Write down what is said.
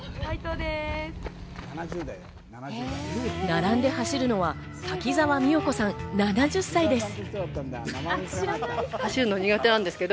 並んで走るのは滝沢見世子さん、７０歳です。